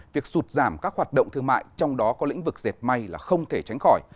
việc sụt giảm các hoạt động thương mại trong đó có lĩnh vực dệt may là không thể tránh khỏi